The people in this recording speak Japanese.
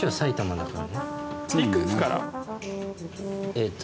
えっと。